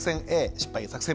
失敗作戦